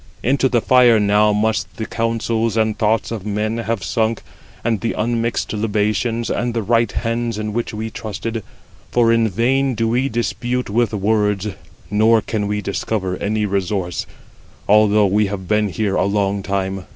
Into the fire now must the counsels and thoughts of men have sunk, and the unmixed libations, and the right hands in which we trusted; for in vain do we dispute with words, nor can we discover any resource, although we have been here for a long time.